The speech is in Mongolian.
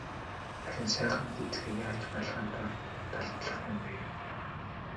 Харин сайхан гэзгээ яаж малгайн дор далдлах юм бэ?